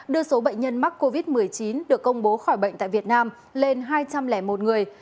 đưa số bệnh nhân mắc covid một mươi chín được công bố khỏi bệnh tại việt nam lên hai trăm linh một người